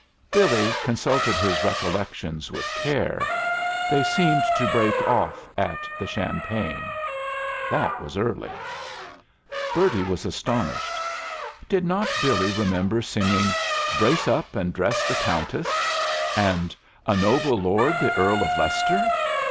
Billy consulted his recollections with care: they seemed to break off at the champagne. That was early. Bertie was astonished. Did not Billy remember singing "Brace up and dress the Countess," and "A noble lord the Earl of Leicester"?